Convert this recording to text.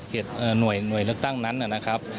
หน่วยเลือกตั้งนั้นนะครับ